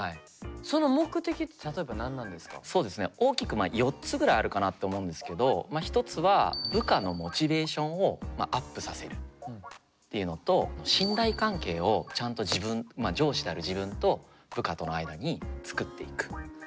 大きくまあ４つぐらいあるかなと思うんですけど一つは部下のモチベーションをアップさせるっていうのと信頼関係をちゃんと自分上司である自分と部下との間に作っていく。